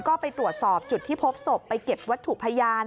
ก็ไปตรวจสอบจุดที่พบศพไปเก็บวัตถุพยาน